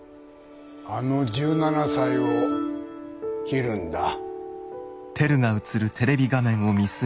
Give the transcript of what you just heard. あの１７才を切るんだ。